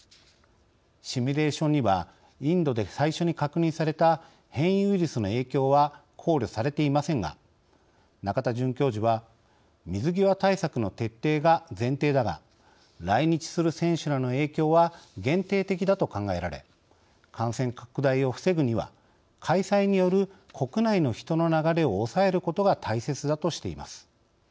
シミュレーションにはインドで最初に確認された変異ウイルスの影響は考慮されていませんが仲田准教授は「水際対策の徹底が前提だが来日する選手らの影響は限定的だと考えられ感染拡大を防ぐには開催による国内の人の流れを抑えることが大切だ」としています。